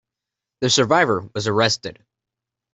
The survivor was arrested.